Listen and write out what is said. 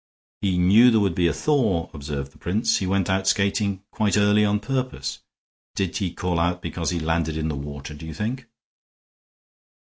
"He knew there would be a thaw," observed the prince. "He went out skating quite early on purpose. Did he call out because he landed in the water, do you think?"